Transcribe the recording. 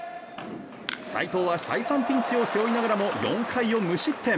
齋藤は再三ピンチを背負いながらも４回を無失点。